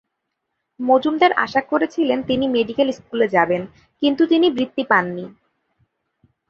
মজুমদার আশা করেছিলেন তিনি মেডিকেল স্কুলে যাবেন, কিন্তু তিনি বৃত্তি পাননি।